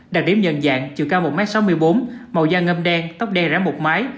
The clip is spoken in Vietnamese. đặc điểm nhận dạng chiều cao một m sáu mươi bốn màu da ngâm đen tóc đen rẽ một mái